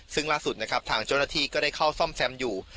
ซึ่งล่าสุดนะครับทางเจ้าหน้าที่ก็ได้เข้าซ่อมแซมอยู่